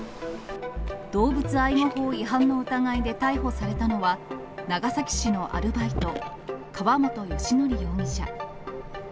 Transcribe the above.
動物愛護法違反の疑いで逮捕されたのは、長崎市のアルバイト、川本良徳容疑者。